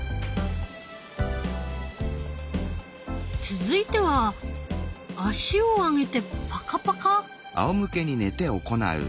続いては足を上げてパカパカ？